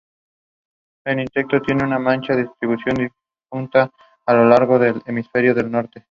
El insecto tiene una marcada distribución disjunta a lo largo del hemisferio del norte.